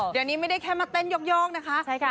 เดี๋ยวนี้ไม่ได้แค่มาเต้นยกนะคะ